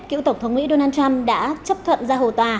cựu tổng thống mỹ donald trump đã chấp thuận ra hồ tòa